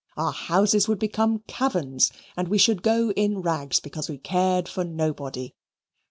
Our houses would become caverns, and we should go in rags because we cared for nobody.